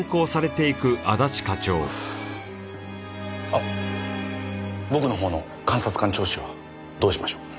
あっ僕の方の監察官聴取はどうしましょう。